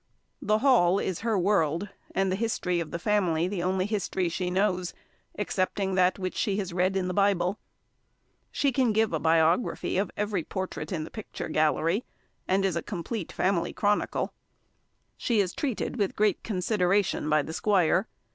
The Hall is her world, and the history of the family the only history she knows, excepting that which she has read in the Bible. She can give a biography of every portrait in the picture gallery, and is a complete family chronicle. She is treated with great consideration by the squire.